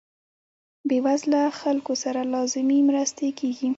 بې وزله خلکو سره لازمې مرستې کیږي.